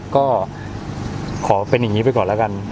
ก็ขอเป็นอย่างนี้ไปก่อนแล้วกัน